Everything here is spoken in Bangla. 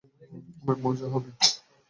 অনেক মজা হবে।